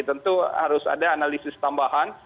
tentu harus ada analisis tambahan